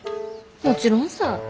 もちろんさ。